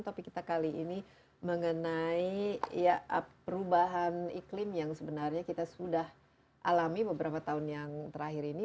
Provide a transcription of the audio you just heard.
topik kita kali ini mengenai perubahan iklim yang sebenarnya kita sudah alami beberapa tahun yang terakhir ini